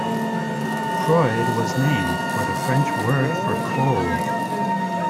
Froid was named for the French word for "cold".